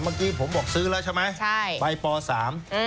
เมื่อกี้ผมบอกซื้อแล้วใช่ไหมใช่ใบปอสามเออ